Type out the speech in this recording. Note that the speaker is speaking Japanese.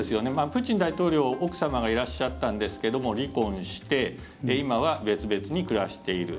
プーチン大統領、奥様がいらっしゃったんですけども離婚して今は別々に暮らしている。